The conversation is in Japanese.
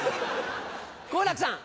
好楽さん。